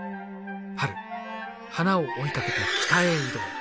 春花を追いかけて北へ移動。